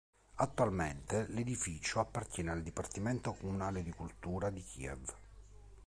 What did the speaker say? Attualmente l'edificio appartiene al Dipartimento comunale di cultura di Kiev.